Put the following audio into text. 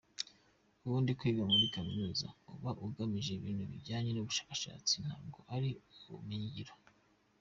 Ubundi kwiga muri kaminuza uba ugamije ibintu bijyanye n’ubushakashatsi ntabwo ari ubumenyingiro.